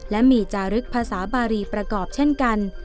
และมีจารึกภาษาบารีประกอบเช่นกัน